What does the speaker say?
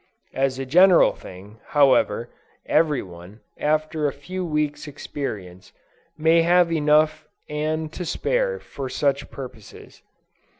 As a general thing, however, every one, after a few weeks' experience, may have enough and to spare, for such purposes.